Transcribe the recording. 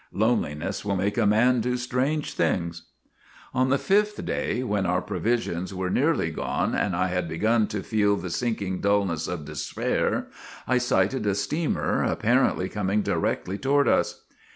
Loneliness will make a man do strange things. ' On the fifth day, when our provisions were nearly gone, and I had begun to feel the sinking dullness of despair, I sighted a steamer apparently coming directly toward us.